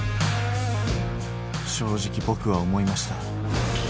正直、僕は思いました。